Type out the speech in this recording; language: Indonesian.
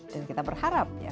dan kita berharap ya